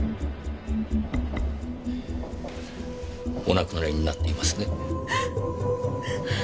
お亡くなりになっていますね。